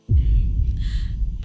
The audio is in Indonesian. ibu seperti ditikam sempil